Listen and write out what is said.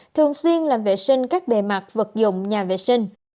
thường xuyên làm vệ sinh các bề mặt vật dụng nhà vệ sinh